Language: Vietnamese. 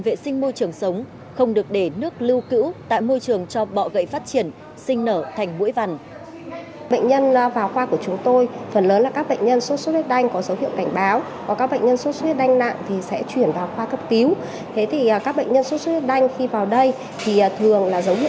vệ sinh môi trường sống không được để nước lưu cữ tại môi trường cho bọ gậy phát triển sinh nở thành bũi vằn